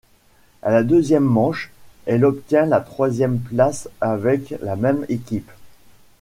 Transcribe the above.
À la deuxième manche, elle obtient la troisième place avec la même équipe.